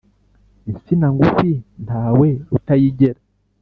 Insina ngufi ntawe utayigera.